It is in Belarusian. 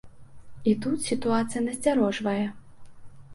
І тут сітуацыя насцярожвае.